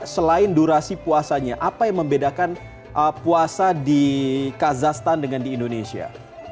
selain durasi puasanya apa yang membedakan puasa di kazahstan dengan di indonesia